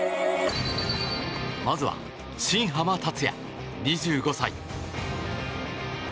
まずは新濱立也、２５歳。